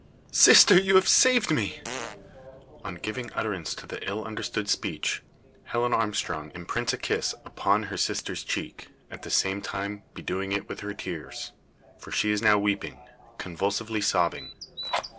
"Sister, you have saved me!" On giving utterance to the ill understood speech, Helen Armstrong imprints a kiss upon her sister's cheek, at the same time bedewing it with her tears. For she is now weeping convulsively sobbing.